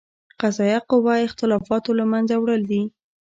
قضائیه قوه اختلافاتو له منځه وړل دي.